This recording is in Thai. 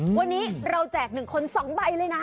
วันนี้เราแจก๑คน๒ใบเลยนะ